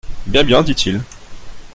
Bien ! bien ! dit-il.